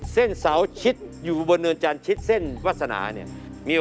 เส้นเสาชิดอยู่บนเนินจันทร์ชิดเส้นวาสนาเนี่ย